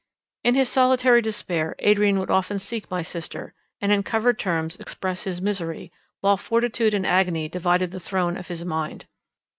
In his solitary despair Adrian would often seek my sister, and in covered terms express his misery, while fortitude and agony divided the throne of his mind.